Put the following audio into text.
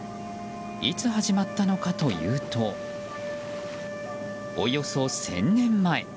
いつ始まったのかというとおよそ１０００年前。